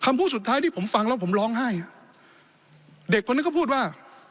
พูดสุดท้ายที่ผมฟังแล้วผมร้องไห้เด็กคนนั้นก็พูดว่า